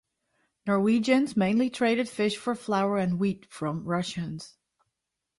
Norwegians mainly traded fish for flour and wheat from Russians.